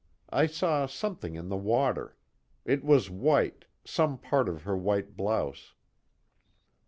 I saw something in the water. It was white, some part of her white blouse."